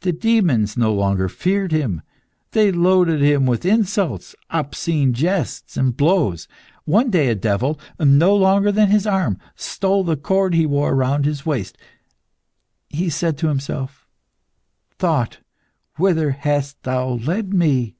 The demons no longer feared him. They loaded him with insults, obscene jests, and blows. One day a devil, no longer than his arm, stole the cord he wore round his waist. He said to himself "Thought, whither hast thou led me?"